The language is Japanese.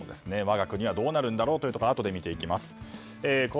我が国はどうなるんだろうというところをあとで見ていきます。